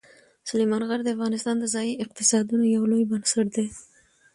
سلیمان غر د افغانستان د ځایي اقتصادونو یو لوی بنسټ دی.